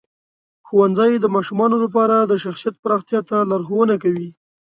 ښوونځی د ماشومانو لپاره د شخصیت پراختیا ته لارښوونه کوي.